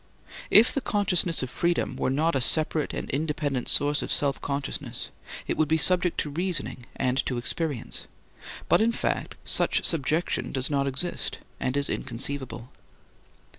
If the consciousness of freedom were not a separate and independent source of self consciousness it would be subject to reasoning and to experience, but in fact such subjection does not exist and is inconceivable.